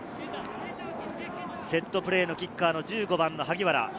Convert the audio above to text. セットプレーのキッカー、１５番・萩原。